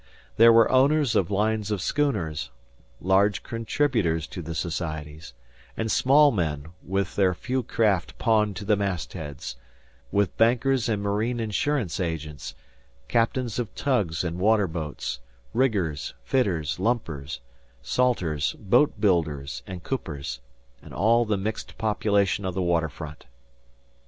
There were owners of lines of schooners, large contributors to the societies, and small men, their few craft pawned to the mastheads, with bankers and marine insurance agents, captains of tugs and water boats, riggers, fitters, lumpers, salters, boat builders, and coopers, and all the mixed population of the water front.